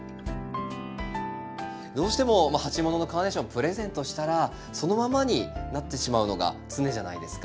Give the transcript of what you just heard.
どうしても鉢物のカーネーションプレゼントしたらそのままになってしまうのが常じゃないですか。